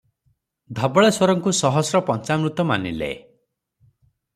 ଧବଳେଶ୍ଵରଙ୍କୁ ସହସ୍ର ପଞ୍ଚାମୃତ ମାନିଲେ ।